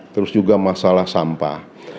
terus juga masalah sampah